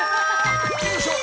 よいしょっ。